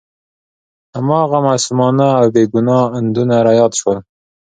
هماغه معصومانه او بې ګناه اندونه را یاد شول.